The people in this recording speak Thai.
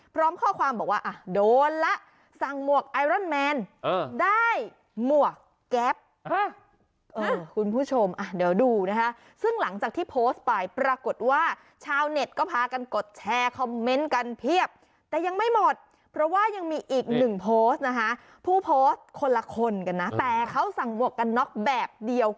พร้อมข้อความบอกว่าโดนละสั่งหมวกไอร่อนแมนได้หมวกแก๊บ